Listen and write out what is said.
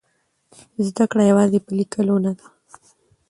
زده کړه یوازې په لیکلو نه ده.